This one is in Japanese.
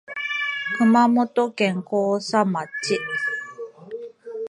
熊本県甲佐町